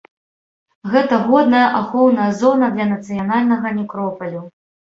Гэта годная ахоўная зона для нацыянальнага некропалю.